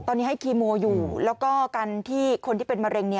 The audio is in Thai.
ตอนนี้ให้คีโมอยู่แล้วก็การที่คนที่เป็นมะเร็ง